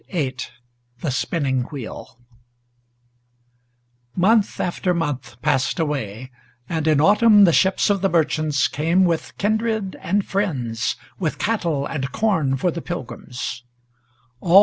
VIII THE SPINNING WHEEL Month after month passed away, and in Autumn the ships of the merchants Came with kindred and friends, with cattle and corn for the Pilgrims.